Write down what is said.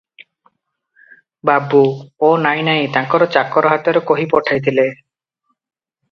ବାବୁ – ଓ ନାହିଁ ନାହିଁ, ତାଙ୍କର ଚାକର ହାତରେ କହି ପଠାଇଥିଲେ ।